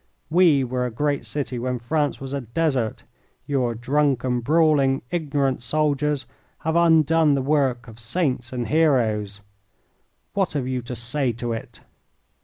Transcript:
We were a great city when France was a desert. Your drunken, brawling, ignorant soldiers have undone the work of saints and heroes. What have you to say to it?"